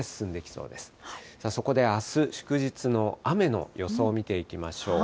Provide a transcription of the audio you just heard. そこであす、祝日の雨の予想を見ていきましょう。